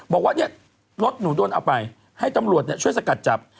บอกว่าเนี่ยรถหนูโดนเอาไปให้ตำรวจช่วยสกัดจับ